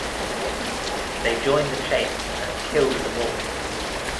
They joined the chase and killed them all.